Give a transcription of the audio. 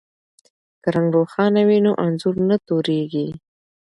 که رنګ روښانه وي نو انځور نه توریږي.